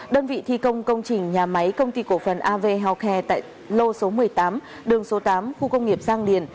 đơn vị thi công công trình nhà máy công ty cổ phần av healthcare tại lô số một mươi tám đường số tám khu công nghiệp giang điền